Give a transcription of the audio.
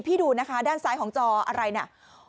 ดูนะคะด้านซ้ายของจออะไรน่ะ